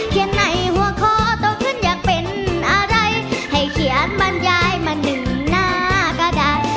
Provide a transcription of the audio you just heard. เขียนในหัวคอโตขึ้นอยากเป็นอะไรให้เขียนบรรยายมาหนึ่งหน้าก็ได้